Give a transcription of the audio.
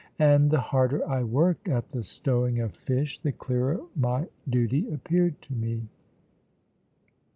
And the harder I worked at the stowing of fish, the clearer my duty appeared to me.